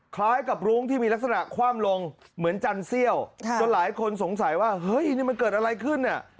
คล้ายกับรุ้งที่มีลักษณะคว่ำลงเหมือนจันเซี่ยวจนหลายคนสงสัยว่าเฮ้ยนี่มันเกิดอะไรขึ้นเนี่ย